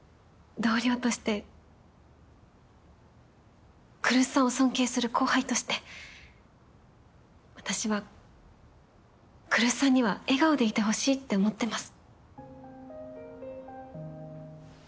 同僚として来栖さんを尊敬する後輩として私は来栖さんには笑顔でいてほしいって思ってます。